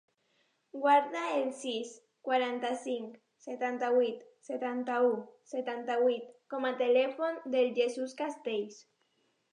Guarda el sis, quaranta-cinc, setanta-vuit, setanta-u, setanta-vuit com a telèfon del Jesús Castells.